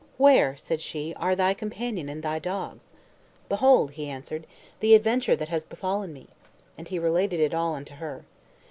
"Where," said she, "are thy companion and thy dogs?" "Behold," he answered, "the adventure that has befallen me." And he related it all unto her.